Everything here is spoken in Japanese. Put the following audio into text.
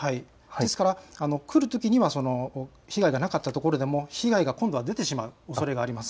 ですから来るときは被害がなかった所でも被害が今度は出てしまうおそれがあります。